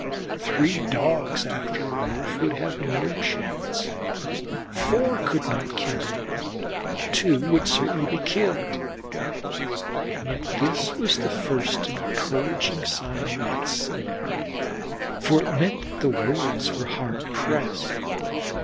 Three Dogs after a Wolf would have no chance, four could not kill him, two would certainly be killed. And yet this was the first encouraging sign we had seen, for it meant that the Wolves were hard pressed.